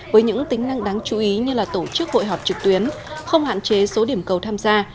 với những tính năng đáng chú ý như là tổ chức hội họp trực tuyến không hạn chế số điểm cầu tham gia